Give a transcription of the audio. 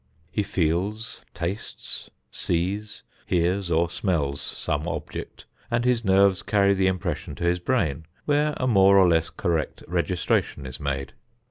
He feels, tastes, sees, hears or smells some object, and his nerves carry the impression to his brain where a more or less correct registration is made.